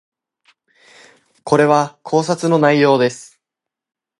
これは考察の内容です